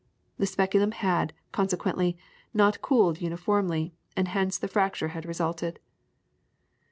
The speculum had, consequently, not cooled uniformly, and hence the fracture had resulted.